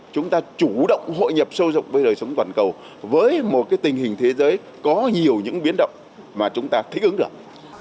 chúng ta chủ động hội nhập sâu rộng với đời sống toàn cầu với một tình hình thế giới có nhiều những biến động mà chúng ta thích ứng được